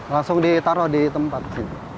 langsung ditaruh di tempat